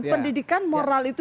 pendidikan moral itu